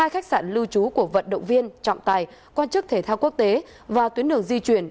hai khách sạn lưu trú của vận động viên trọng tài quan chức thể thao quốc tế và tuyến đường di chuyển